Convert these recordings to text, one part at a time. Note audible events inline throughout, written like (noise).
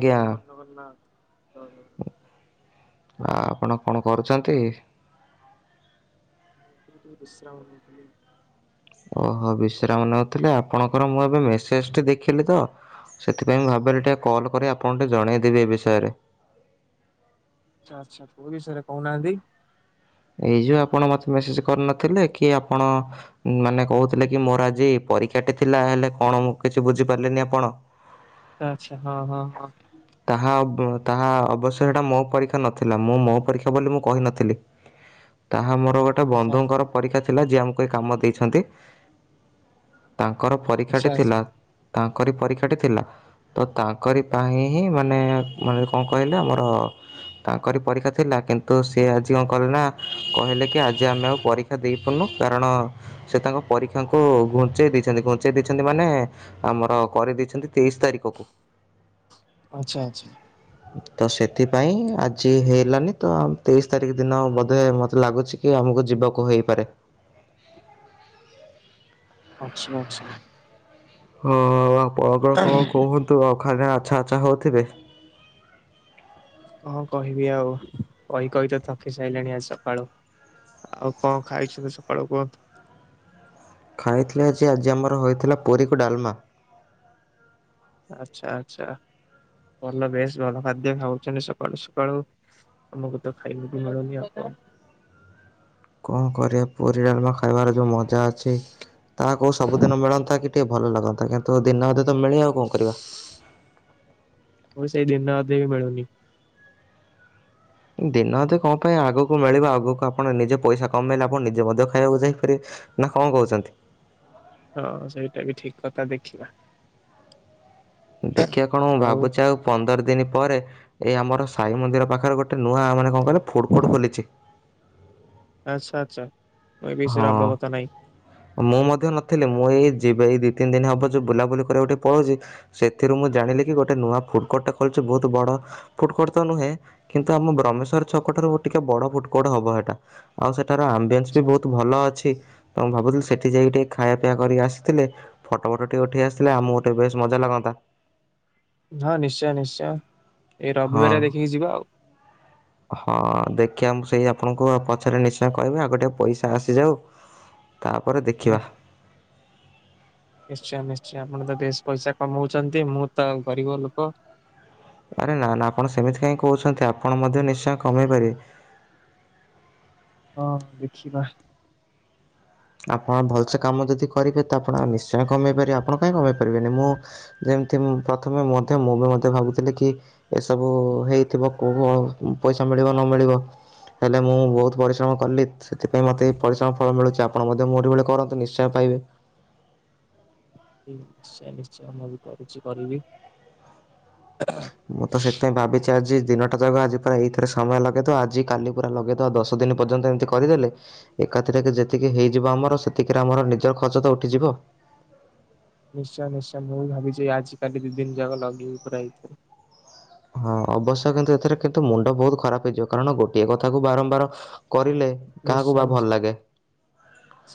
ଜୟ ଜଗନ୍ନ ଜଗନ୍ନାଥ। (unintelligible) ଆପଣ କଣ କରୁଛନ୍ତି? ଏଠି ଟିକେ ବିଶ୍ରାମ ନଉଥିଲି। ଓହୋ ବିଶ୍ରାମ ନେଉଥିଲେ ଆପଣଙ୍କର ମୁଁ ଏବେ ମେସେଜଟି ଦେଖିଲି ତ ସେଥିପାଇଁ ମୁଁ ଭାବିଲି ଟିକେ କଲ୍ କରି ଆପଣଙ୍କୁ ଟିକେ ଜଣେଇଦେବି ଏ ବିଷୟରେ। ଆଚ୍ଛା ଆଚ୍ଛା କୋଉ ବିଷୟରେ କହୁନାହାନ୍ତି? ଏଇ ଯୋଉ ଆପଣ ମତେ ମେସେଜ କରିନଥିଲେ କି ଆପଣ ମାନେ କହୁଥିଲେ କି ମୋର ଆଜି ପରୀକ୍ଷାଟି ଥିଲା ହେଲେ କଣ ମୁଁ କିଛି ବୁଝିପାରିଲିନି ଆପଣ ଆଚ୍ଛା ଆଚ୍ଛା ହଁ ହଁ ହଁ। ତାହା ତାହା ଅବଶ୍ୟ ସେଟା ମୋ ପରୀକ୍ଷା ନଥିଲା ମୁଁ ମୋ ପରୀକ୍ଷା ବୋଲି ମୁଁ କହିନଥିଲି। ତାହା ମୋ ଗୋଟେ ଆଚ୍ଛା ବନ୍ଧୁଙ୍କର ପରୀକ୍ଷା ଥି ଲା ଯିଏ ଆମକୁ ଏ କାମ ଦେଇଛନ୍ତି। ତାଙ୍କର ଆଚ୍ଛା ପରୀକ୍ଷାଟି ଆଚ୍ଛା ଆଚ୍ଛା ଥିଲା ତାଙ୍କରି ପରୀକ୍ଷାଟି ଥିଲା ତ ତାଙ୍କରି ପାଇଁ ହିଁ ମାନେ ମାନେ କଣ କହିଲେ ଆମର ତାଙ୍କରି ପରୀକ୍ଷା ଥିଲା କିନ୍ତୁ ସେ ଆଜି କଣ କହଲେ ନା କହିଲେ କି ଆଜି ଆମେ ଆଉ ପରୀକ୍ଷା ଦେଇପାରୁନୁ କାରଣ ସେ ତାଙ୍କ ପରୀକ୍ଷାଙ୍କୁ ଘୁଞ୍ଚେଇ ଦେଇଛନ୍ତି ଘୁଞ୍ଚେଇ ଦେଇଛନ୍ତି ମାନେ ଆମର କରିଦେଇଛନ୍ତି। ତେଇଶି ତାରିକ କୁ। ଆଚ୍ଛା (inaudible) ତ ସେଥିପାଇଁ ଆଜି ହେଇଲାନି ତ ତେଇଶି ତାରିଖ ଦିନ ବୋଧେ ମତେ ଲାଗୁଛି କି ଆମକୁ ଯିବାକୁ ହେଇପାରେ। (inaudible) ଆଚ୍ଛା ଆଚ୍ଛା। (unintelligible) ବ କଣ କୁହନ୍ତୁ ଆଉ ଖାଇବା ଆଚ୍ଛା ଆଚ୍ଛା ହଉଥିବେ। (inaudible) କହ କହିବି ଆଉ କହି କହି ତ ଥକି ସାଇଲିଣି ଆଜି ସକାଳୁ। ଆଉ କଣ ଖାଇଛନ୍ତି ସକାଳୁ କୁହନ୍ତୁ? ଖାଇଥିଲି ଆଜି ଆଜି ଆମର ହୋଇଥିଲା ପୁରୀ କୁ ଡାଲମା। ଆଚ୍ଛା ଆଚ୍ଛା ଭଲ ବେଶ ଭଲ ଖାଦ୍ୟ ଖାଉଛନ୍ତି ସକାଳୁ ସକାଳୁ ଆମକୁ ତ ଖାଇବାକୁ ମିଳୁନି ଆଉ କଣ। କଣ କରିବା ପୁରୀ ଡାଲମା ଖାଇବାର ଯୋଉ ମଜା ଅଛି ତାହା କୋଉ ସବୁଦିନ ମିଳନ୍ତା କି ଟିକେ ଭଲ ଲାଗନ୍ତା କିନ୍ତୁ ଦିନେ ଅଧେ ତ ମିଳେ ଆଉ କଣ କରିବା। ମୁଁ ସେଇ ଦିନେ ଅଧେ ବି ମିଳୁନି। ଦିନ ଅଧେ କଣ ପାଇଁ ଆଗକୁ ମିଳିବ ଆଗକୁ ଆପଣ ନିଜେ ପଇସା କମେଇଲେ ଆପଣ ନିଜେ ମଧ୍ୟ ଖାଇବାକୁ ଯାଇ ପାରିବେ ନା କଣ କହୁଛନ୍ତି? ହଁ ସେଇଟା ବି ଠିକ କଥା ଦେଖିବା। ଦେଖିବା କଣ ମୁଁ ଭାବୁଛି ଆଉ ପନ୍ଦର ଦିନି ପରେ ଏଇ ଆମର ସାଇ ମନ୍ଦିର ପାଖରେ ଗୋଟେ ନୂଆ ମାନେ କଣ ମାନେ ଫୁଡ଼ କୋର୍ଟ ଖୋଲିଛି। ଆଚ୍ଛା ଆଚ୍ଛା। ମୁଁ ଏଇ ବିଷୟରେ ହଁ ଅବଗତ ନାଇଁ। ମୁଁ ମଧ୍ୟ ନଥିଲି ମୁଁ ଏଇ ଯିବେ ଏଇ ଦି ତିନି ଦିନି ହବ ଯୋଉ ବୁଲାବୁଲି କରିଆକୁ ଟିକେ ପଳଉଚି ସେଥିରୁ ମୁଁ ଜାଣିଲି କି ଗୋଟେ ନୂଆ ଫୁଡ କୋର୍ଟ ଟେ ଖୋଳିଛି ବହୁତ ବଡ ଫୁଡ କୋର୍ଟ ତ ନୁହେଁ କିନ୍ତୁ ଆମ ବ୍ରହ୍ମେଶ୍ବର ଛକ ଠାରୁ ଟିକେ ବଡ ଫୁଡ କୋର୍ଟ ହବ ସେଇଟା ଆଉ ସେ ଠାର ଆମ୍ବିଏନ୍ସ ବି ଆଚ୍ଛା। ବହୁତ ଭଲ ଅଛି ତ ମୁଁ ଭାବୁଥିଲି ସେଠି ଯାଇକି ଟିକେ ଖାଇଆ ପିଆ କରିକି ଆସିଥିଲେ ଫଟୋ ମଟୋ ଟିକେ ଉଠେଇ ଆସିଥିଲେ ଆମକୁ ଗୋଟେ ବେଶ ମଜା ଲାଗନ୍ତା। ହଁ ନିଶ୍ଚୟ ନିଶ୍ଚୟ। ଏଇ ହଁ ରବିବାରିଆ ଦେଖିକି ଯିବା ଆଉ। ହଁ ଦେଖିବା ମୁଁ ସେଇଆ ଆପଣଙ୍କୁ ପଛରେ ନିଶ୍ଚୟ କହିବି ଆଗ ଟିକେ ପଇସା ଆସିଯାଉ। ତାପରେ ହଁ ଦେଖିବା। ଶ୍ଚୟ ଆପଣ ତ ବେଶ ପଇସା କମଉଛନ୍ତି ମୁଁ ତ ଗରିବ ଲୋକ। ଆରେ ନା ନା ଆପଣ ସେମିତି କାହିଁ କହୁଛନ୍ତି ଆପଣ ମଧ୍ୟ ନିଶ୍ଚୟ କମେଇ ପାରିବେ। ହଁ ଦେଖିବା। ଆପଣ ଭଲସେ କାମ ଯଦି କରିବେ ତ ଆପଣ ନିଶ୍ଚୟ କମେଇ ପାରିବେ ଆପଣ କାହିଁ କମେଇ ପାରିବେନି ମୁଁ ଯେମିତି ପ୍ରଥମେ ମୁଁ ମଧ୍ଯ ମୁଁ ବି ମଧ୍ୟ ଭାବୁଥିଲି କି ଏସବୁ ହେଇଥିବ କୋଉ ପଇସା ମିଳିବ ନ ମିଳିବ ହେଲେ ମୁଁ ବହୁତ ପରିଶ୍ରମ କଲି ସେଥିପାଇଁ ମତେ ପରିଶ୍ରମ ଫଳ ମିଳୁଛି ଆ ପଣ ମଧ୍ୟ ମୋରି ଭଳି କରନ୍ତୁ ନିଶ୍ଚୟ ପାଇବେ। ନିଶ୍ଚୟ ନିଶ୍ଚୟ ମୁଁ ବି କରିଛି କରିବି। ମୁଁ ତ ସେଥିପାଇଁ ଭାବିଛି ଆଜି ଦିନଟା ଯାକ ଆଜି ପୁରା ଏଇଥିରେ ସମୟ ଲଗେଇଦବା ଆଜି କାଲି ପୁରା ଲଗେଇଦବା ଦଶ ଦିନି ପର୍ଯ୍ୟନ୍ତ ଏମତି କରିଦେଲେ ଏକା ଥରେକେ ଯେତିକି ହେଇଯିବ ଆମର ସେତିକିରେ ଆମର ନିଜର ଖର୍ଚ୍ଚ ତ ଉଠିଯିବ। ନିଶ୍ଚୟ ନିଶ୍ଚୟ ମୁଁ ବି ଭାବି ଚି ଆଜି କାଲି ଦୁଇ ଦିନ ଜାଗା ଲଗେଇ ପୁରାଇ ହଁ ଅବଶ୍ୟ କିନ୍ତୁ ଏଥିରେ କିନ୍ତୁ ମୁଣ୍ଡ ବହୁତ ଖରାପ ହେଇଯିବ କାରଣ ଗୋଟିଏ କଥା କୁ ବାରମ୍ବାର କରିଲେ କାହାକୁ ନିଶ୍ଚୟ ବା ଭଲ ଲାଗେ।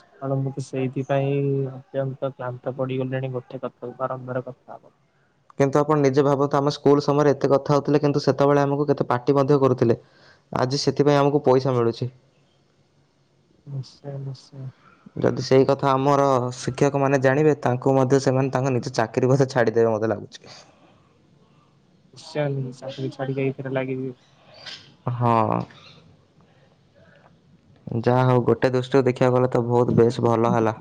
ନିଶ୍ଚୟ (unintelligible) ପାଇଁ ଅତ୍ୟନ୍ତ କ୍ଲାନ୍ତ ପଡିଗଲେଣି ଗୋଟେ କଥା ବାରମ୍ବାର କଥା ହବ। କିନ୍ତୁ ଆପଣ ନିଜେ ଭାବନ୍ତୁ ଆମ ସ୍କୁଲ ସମୟରେ ଏତେ କଥା ହେଉଥିଲେ କିନ୍ତୁ ସେତେବେଳେ ଆମକୁ କେତେ ପାର୍ଟି ମଧ୍ୟ କରୁଥିଲେ ଆଜି ସେଥିପାଇଁ ଆମକୁ ପଇସା ମିଳୁଚି। ନିଶ୍ଚୟ ନିଶ୍ଚୟ। ଯଦି ସେଇ କଥା ଆମର ଶିକ୍ଷକ ମାନେ ଜାଣିବେ ତାଙ୍କୁ ମଧ୍ୟ ସେମାନେ ତାଙ୍କ ନିଜ ଚାକିରୀ ପଇସା ଛାଡିଦବେ ମୋତେ ଲାଗୁଚି। ନିଶ୍ଚୟ ଚାକିରି ଛାଡ଼ି ଦେଇ ଏଟା ଲାଗିଯିବେ। ହଁ। ଯାହା ହଉ ଗୋଟେ ଦୁଷ୍ଟିରୁ ଦେଖି ଇଆବଲେ ତ ବହୁତ ବେଶେ ଭଲ ହେଲା।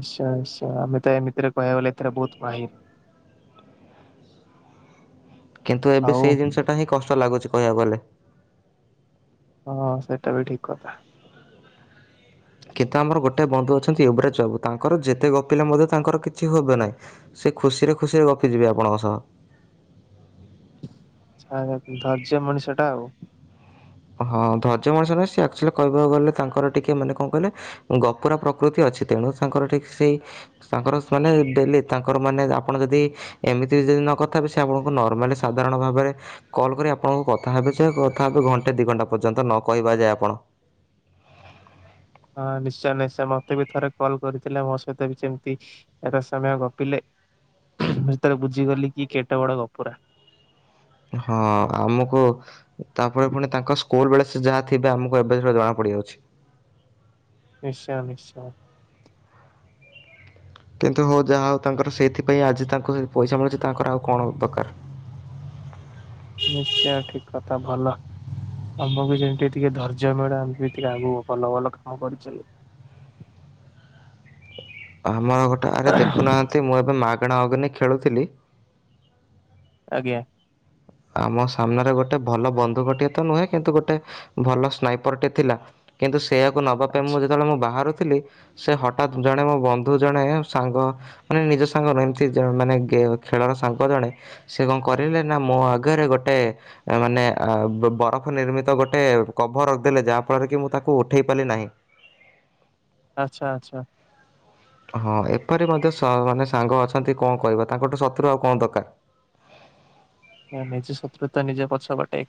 ଇସା ଇସା ଆମେ ତ ଏମିତିରେ କହିବାକୁ ଗଲେ ଏଥିରେ ବହୁତ ମାହିର କିନ୍ତୁ ଏବେ ଆଉ ସେଇ ଜିନିଷଟା ହିଁ କଷ୍ଟ ଲାଗୁଚି। କହିବାକୁ ଗଲେ ହଁ ସେଇଟା ବି ଠିକ କଥା। କିନ୍ତୁ ଆମର ଗୋଟେ ବନ୍ଧୁ ଅଛନ୍ତି ୟବରାଜ ବାବୁ ତାଙ୍କର ଯେତେ ଗପିଲେ ମଧ୍ୟ ତାଙ୍କର କିଛି ହବ ନାହିଁ ସେ ଖୁସିରେ ଖୁସିରେ ଗପି ଯିବେ ଆପଣଙ୍କ ସହ। ଧୈର୍ଯ୍ୟ ମଣିଷ ଟା ଆଉ। ହଁ ଧୈର୍ଯ୍ୟ ମଣିଷ ନୁହେଁ ସେ ଆକ୍ଚୁଆଲି କହିବାକୁ ଗଲେ ତାଙ୍କର ଟିକେ ମାନେ କଣ କହିଲେ ଗପୁରା ପ୍ରକୃତି ଅଛି ତେଣୁ ତାଙ୍କର ସେଇ ତାଙ୍କର ମାନେ ଡେଲି ତାଙ୍କର ମାନେ ଆପଣ ଯଦି ଏମିତି ଯଦି ନକଥା ହେବେ ସେ ଆପଣଙ୍କୁ ନର୍ମାଲି ସାଧାରଣ ଭାବରେ କଲ୍ କରି ଆପଣଙ୍କୁ କଥା ହେବେ ଯେ କଥା ହେ ଘଟ ଦି ଘଣ୍ଟା ପର୍ଯ୍ୟନ୍ତ ନ କହିବା ଯାଏ ଆପଣ ହଁ ନିଶ୍ଚୟ ନିଶ୍ଚୟ ମତେ ବି ଥରେ କଲ୍ କରିଥିଲେ ମୋ ସହିତ ବି ଯେମିତି ଏକ ସମୟ ଗପିଲେ ମୁ ଯେତେବେଳେ ବୁଝିଗଲି କି କେଟେ ବଡ ଗପୁରା ହଁ ଆମକୁ ତାପରେ ପୁଣି ତାଙ୍କ ସ୍କୁଲ ବେଳେ ଯାହା ଥିବେ ଆମକୁ ଏବେ ଜଣା ପଡ଼ିଯାଉଛି। ନିଶ୍ଚୟ ନିଶ୍ଚୟ। କିନ୍ତୁ ହଉ ଯାହା ହଉ ତାଙ୍କର ସେଇଥିପାଇଁ ଆଜି ତାଙ୍କୁ ସେ ପଇସା ମିଳୁଛି ତାଙ୍କର ଆଉ କଣ ଦରକାର। ନିଶ୍ଚୟ ଠିକ କଥା ଭଲ ଆମକୁ ଯେମତି ଟିକେ ଧୈର୍ଯ୍ୟ ମିଳୁ ଆମ ବି ଟିକେ ଆଗକୁ ଭଲ ଭଲ କାମ କରି ଚାଲିବୁ। ହଁ। ଆମର ଗୋଟ ଆରେ ଦେଖୁନାହାନ୍ତି ମୁଁ ଏବେ ମା କଣା ଅଗ୍ନିକ୍ ଖେଳୁଥିଲି। ଆଜ୍ଞା। ଆମ ସାମ୍ନାରେ ଗୋଟେ ଭଲ ବନ୍ଧୁକଟିଏ ତ ନୁହେଁ କିନ୍ତୁ ଗୋଟେ ଭଲ ସ୍ନାଇପରଟି ଥିଲା କିନ୍ତୁ ସେ ସେୟାକୁ ନବା ପାଇଁ ମୁଁ ଆଛା ଯେତେବେଳେ ମୁଁ ବାହାରୁ ଥିଲି ସେ ହଠତ୍ ଜଣେ ମୋ ବନ୍ଧୁ ଜଣେ ସାଙ୍ଗ ମାନେ ନିଜ ସାଙ୍ଗ ଏମତି ମାନେ ଖେଳର ସାଙ୍ଗ ଜଣେ ସେ କଣ କରିଲେ ନା ମୋ ଆ ଗେରେ ଗୋଟେ ମାନେ ବରଫ ନିର୍ମିତ ଗୋଟେ କଭର ରଖିଦେଲେ ଯାହା ଫଳରେ କି ମୁଁ ତାକୁ ଉଠେଇ ପାରିଲି ନାହିଁ। ଆଛା ଆଛା। ହଁ ଏପରି ମଧ୍ୟ ସ ମାନେ ସାଙ୍ଗ ଅଛନ୍ତି କଣ କହିବା ତାଙ୍କଠୁ ଶତ୍ରୁ ଆଉ କଣ ଦରକାର? ନିଜେ ଶତ୍ରୁତା ନିଜେ ପଛବାଟେ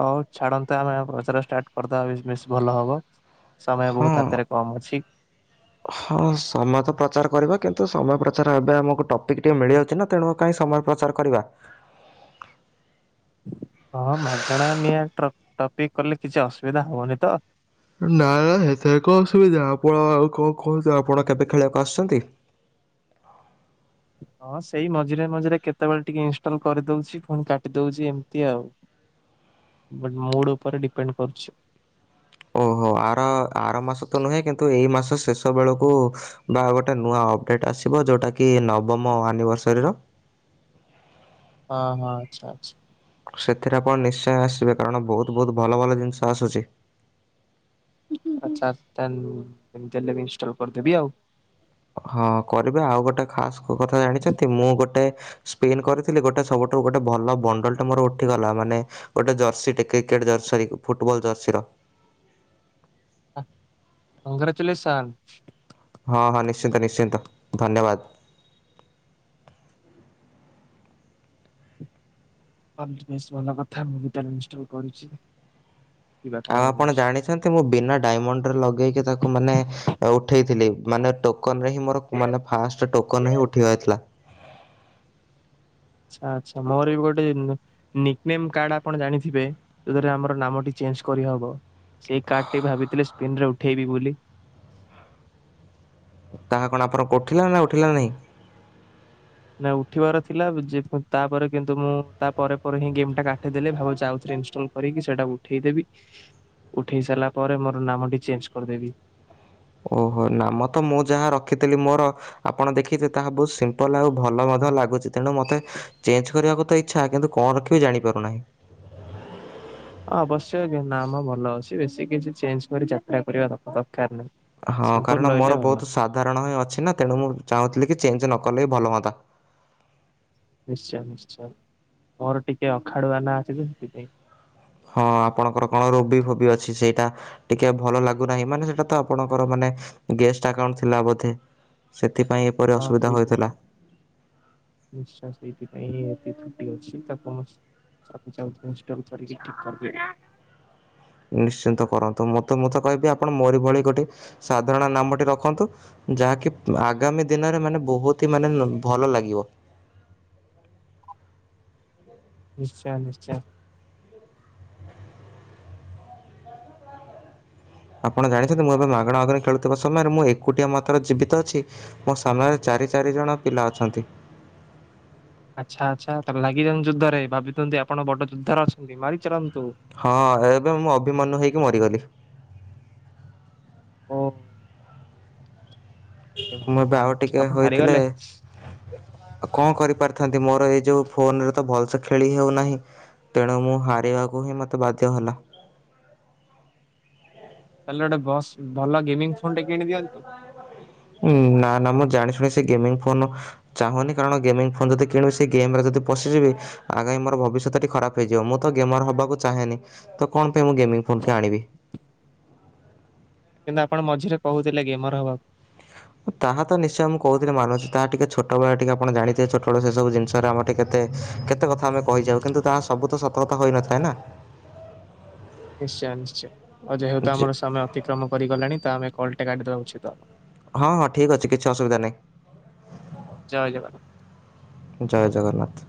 ହଉ ଛାଡନ୍ତେ ଆମେ ବଚାର ଷ୍ଟାର୍ଟ କରିଦବା ବିମି ଭଲ ହବ। ସମୟ ହଁ ବହୁତ ହାତରେ କମ ଅଛି ହଁ ସମ ତ ପ୍ରଚାର କରିବା କି? ତ ସମୟ ପ୍ରଚାର ଏବେ ଆମକୁ ଟପିକ ଟିକେ ମିଳିଯାଉଛି ନା ତେଣୁ କାହିଁ ସମୟ ପ୍ରଚାର କରିବା। ହଁ ମାଗଣା ନିଆ ଟ୍ର ଟପିକ କଲେ କିଛି ଅସୁବିଧା ହବନି ତ। ନା ନା ହେତେରେ କଣ ଅସୁବିଧା ଆପଣ ଆଉ କଣ କୁହନ୍ତୁ ଆପଣ କେବେ ଖେଳିବାକୁ ଆସୁଛନ୍ତି। ହଁ ସେଇ ମଝିରେ ମଝିରେ କେତେବେଳେ ଟିକେ ଇନଷ୍ଟଲ କରିଦେଉଛି ଫୋନ୍ କାଟି ଦଉଛି ଏମିତି ଆଉ ମୁଡ ଉପରେ ଡିପେଣ୍ଡ କରୁଛି। ଓହୋ ଆର ଆର ମାସ ତ ନୁହେଁ କିନ୍ତୁ ଏଇ ମାସ ଶେଷ ବେଳକୁ ବା ଗୋଟେ ନୂଆ ଅପଡେଟ ଆସିବ ଯୋଉଟା କି ନବମ ଆନିଭର୍ସରୀର ହଁ ହଁ ଆଛା ଆଛା। ସେଥିରେ ଆପଣ ନିଶ୍ଚୟ ଆସିବେ କାରଣ ବହୁତ ବହୁତ ଭଲ ଭଲ ଜିନିଷ ଆସୁଛି। ଆଚ୍ଛାମତି ହେଲେ ବି ଇନଲ କରିଦେବି ଆଉ। ହଁ କରିବେ ଆଉ ଗୋଟେ ସ୍ପେନ କରିଥିଲି ଗୋଟେ ସବୁଠୁ ଗୋଟେ ଭଲ ବଣ୍ଡଲଟା ମୋର ଉଠିଗଲା ମାନେ ଗୋଟେ ଜର୍ସିଟେ କ୍ରିକେଟ ଜର୍ସି ଫୁଟବଲ ଜର୍ସିର ମଙ୍ଗରଚଥିଲେ ସାନ୍ ହଁ ହଁ ନିଶ୍ଚିନ୍ତ ନିଶ୍ଚିନ୍ତ ଧନ୍ୟବାଦ। ଅଲଟ ବସ୍ ଭଲ କଥା ମୁଁ ଭିତରେ ଇନଷ୍ଟଲ୍ କରୁଛି। ଦେଖିବା ଆଉ କଣ ଆପଣ ହଉଛି। ଜାଣିଛନ୍ତି ମୁଁ ବିନା ଡାଇମଣ୍ଡ ରେ ଲଗେଇକି ତାକୁ ମାନେ ଉ ଉଠାଇଥିଲି ମାନେ କହ୍ନେନା କି ମୋର ମାନେ ଫାଷ୍ଟ ଟୋକନ ହିଁ ଉଠିବାରଥିଲା। ଆଛା ଆ୍ଛା ମୋର ବି ଗୋଟେନେ କାର୍ଡ ଆପଣ ଜାଣିଥିବେ ଯଉରେ ଆମର ନାମଟି ଚେଞ୍ଜ କରିହବ। ସେଇ କାର୍ଡ ଟି ବି ଭାବିଥିଲେ ପିନରେ ଉଠେଇବି ବୋଲି। ତାହା କଣ ଆପଣଙ୍କ ଉଠିଲା ନା ଉଠିଲା ନାହିଁ? ନା ଉଠିବାର ଥିଲା ତ ଚେ ତାପରେ କିନ୍ତୁ ମୁଁ ତାପରେ ପରେ ହିଁ ଗେମ୍ ଟା କାଟିଦେଲି ଭାବୁଚି ଆଉଥରେ ଇନଷ୍ଟଲ କରିକି ସେଇଟାକୁ ଉଠେଇଦେବି ଉଠେଇ ସାରିଲା ପରେ ମୋର ନାମଟି ଚେଞ୍ଚ କରିଦେବି। ଓହୋ ନାମ ତ ମୁଁ ଯାହା ରଖିଥିଲି ମୋର ଆପଣ ଦେଖି ଥିବେ ତାହା ବହୁତ ସିମ୍ପଲ ଆଉ ଭଲ ମଧ୍ୟ ଲାଗୁଛି ତେଣୁ ମତେ ଚେଞ୍ଚ କରିବାକୁ ତ ଇଚ୍ଛା କିନ୍ତୁ କଣ ରଖିବି ଜାଣିପାରୁନାହିଁ। ହଁ ଅବଶ୍ୟ କି ନା ଆମ ଭଲ ଅଛି ବେଶୀ କିଛି ଚେଞ୍ଚ କରି ଯାତ୍ରା କରିବା (unintelligible) ହଁ ସିମ୍ପୁଲ କାରଣ ରହିଲେ ମୋର ଭଲ ବହୁତ ସାଧାରଣ ହିଁ ଅଛି ନା ତେଣୁ ମୁଁ ଚାହୁଁଥିଲି କି ଚେଞ୍ଚ ନକ କଲେ ଭଲ ହୁଅନ୍ତା। ନିଶ୍ଚୟ ନିଶ୍ଚୟ ମୋର ଟିକେ ଅଖାଡୁଆ ନାଁ ଅଛି ତ ସେଥିପାଇଁ। ହଁ ଆପଣଙ୍କର କଣ ରୋବି ଫୋବି ଅଛି ସେଇଟା ଟିକେ ଭଲ ଲାଗୁନାହିଁ ମାନେ ସେଟା ତ ଆପଣଙ୍କର ମାନେ ଗେଷ୍ଟ ଆକାଉଣ୍ଟ ଥିଲା ବୋଧେ। ଏଥିପାଇଁ ଏପରି ହଁ ଅସୁବିଧା ସେଇଥିପାଇଁ ହୋଇଥିଲା। ଏଇ ଏବେ ଅଛି ତ (inaudible) ନିଶ୍ଚିନ୍ତ କରନ୍ତୁ ମୁଁ ତ ମୁଁ ତ କହିବି ଆପଣ ମୋରି ଭଳି ଗୋଟେ ସାଧାରଣ ନାମଟି ରଖନ୍ତୁ ଯାହାକି ଆଗାମୀ ଦିନରେ ମାନେ ବହୁତ ହି ମାନେ ଭଲ ଲାଗିବ। ନିଶ୍ଚୟ ନିଶ୍ଚୟ। ଆପଣ ଜାଣିଛନ୍ତି ମୁଁ ଏବେ ମାଗଣା ମାଗଣା ଖେଳୁଥିବା ସମୟରେ ମୁଁ ଏକୁଟିଆ ମାତ୍ର ଜୀବିତ ଅଛି ମୋ ସାମ୍ନାରେ ଚାରି ଚାରି ଜଣ ପିଲା ଅଛନ୍ତି। ଆଚ୍ଛା ଆଚ୍ଛା ତା ଲାଗିଯାନ୍ତୁ ଯୋଦ୍ଧରେ ଭାବିଛନ୍ତି ଆପଣ ବଡ ଯୋଦ୍ଧରେ ଅଛନ୍ତି ମାରି ଚାଲନ୍ତୁ। ହଁ ଏବେ ମୁଁ ଅଭିମନ୍ୟୁ ହେଇକି ମରିଗଲି। ଓ ହେ ମୁଁ ଏବେ ଆଉ ଭଗବାନ ଟିକେ ଆପଣ ହୋଇଥିଲେ ହାରିଗଲେ କଣ କରିପାରି ଥାନ୍ତି ମୋର ହେଇ ଯୋଉ ଫୋନ ରେ ତ ଭଲ ସେ ଖେଳି ହେଉନାହିଁ ତେଣୁ ମୁଁ ହାରିବାକୁ ହିଁ ମତେ ବାଧ୍ୟ ହେଲା। ତାହେଲେ ଗୋଟେ ବସ୍ ଭଲ ଗେମିଙ୍ଗ ଫୋନ ଟେ କିଣି ଦିଅନ୍ତୁ। ନା ନା ମୁଁ ଜାଣି ଶୁଣି ସେ ଗେମଙ୍ଗ ଫୋନ ଚାହୁଁନି କାରଣ ଗେମ ଫୋନ୍ ଯଦି କିଣିବି ସେ ଗେମ୍ ରେ ଯଦି ପଶିଯିବି ଆଗାମୀ ମୋର ଭବିଷ୍ୟତଟି ଖରାପ ହେଇଯିବ ମୁଁ ତ ଗେମର ହବାକୁ ଚାହେଁନି ତ କଣ ପାଇଁ ମୁଁ ଗେମଙ୍ଗ ଫୋନ ଟି ଆଣିବି? କିନ୍ତୁ ଆପଣ ମଝିରେ କହୁଥିଲେ ଗେମର ହବାକୁ। ତାହା ତ ନିଶ୍ଚୟ ମୁଁ କହୁଥିଲି ମାନୁଛି। ତାହା ଟିକେ ଛୋଟବେଳେ ଟିକେ ଆପଣ ଜାଣିଥିବେ ଛୋଟବେଳ ସେ ସବୁ ଜିନିଷରେ ଆମର ଟିକେ କେତ କେ ତେ କଥା ଆମ କହିଯାଉ ହୁଁ, କିନ୍ତୁ ତାହା ସବୁ ତ ସ ତା ତ ହୋଇନଥାଏ ନା। ନିଶ୍ଚୟ ନିଶ୍ଚୟ ଆଉ ଯେହେତୁ ଯେ ଆମର ସମୟ ଅତିକ୍ରମ କରିଗଲାଣି ତ ଆମେ କୁଆଡେ (unintelligible) ହଁ ହଁ ଠିକ ଅଛି କିଛି ଅସୁବିଧା ଜୟ ଜଗନ୍ନାଥ। ନାହିଁ ଜୟ ଜଗନ୍ନାଥ।